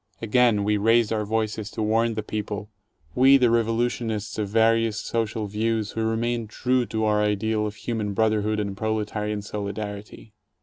Again we raised our voices to warn the people, — we, the revolutionists of various social views who remained true to our ideal of human brotherhood and proletarian solidarity.